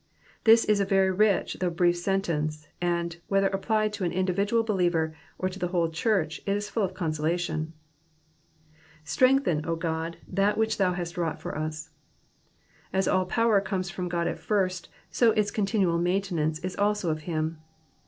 This is a very rich though brief sentence, and, whether applied to an individual believer, or to the whole church, it is full of conso lation. *^^ Strengthen, O Ood, that which thou hast vyfmight for ««." As all power comes from God at first, so its continual maintenance is also of him.